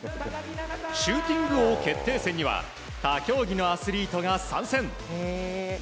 シューティング王決定戦には他競技のアスリートが参戦。